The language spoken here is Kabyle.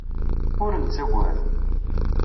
Ur nettagad.